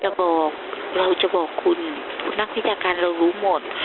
จะบอกเราจะบอกคุณนักวิชาการเรารู้หมด